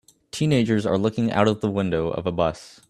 Teenagers are looking out the window of a bus